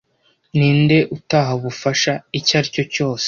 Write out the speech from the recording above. Ninde utahawe ubufasha icyo aricyo cyose